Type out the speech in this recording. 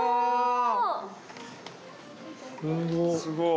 すごい。